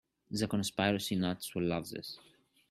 The conspiracy nuts will love this.